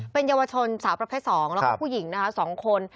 เป็นเยาวชนสาวประเภท๒แล้วก็ผู้หญิงนะคะ๒คน